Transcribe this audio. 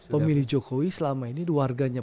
pemilih jokowi selama ini warganya